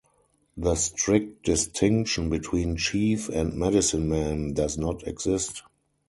The strict distinction between chief and medicine-man does not exist.